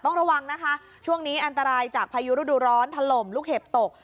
ต้องระวังนะคะช่วงนี้อันตรายจากพายุฤดูร้อนถล่มลูกเห็บตก